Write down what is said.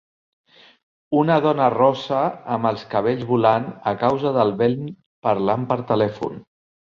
Una dona rossa amb els cabells volant a causa del vent parlant per telèfon